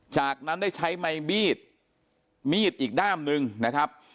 จากนั้นได้ใช้ไมมีดมีดอีกด้ามหนึ่งนะครับ